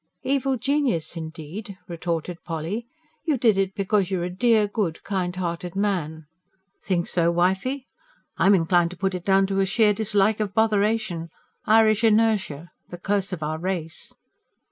"Evil genius, indeed!" retorted Polly. "You did it because you're a dear, good, kind hearted man." "Think so, wifey? I'm inclined to put it down to sheer dislike of botheration Irish inertia ... the curse of our race."